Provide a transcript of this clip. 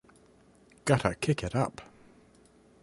Gotta Kick It Up!